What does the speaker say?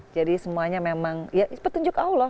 jadi semuanya memang ya petunjuk allah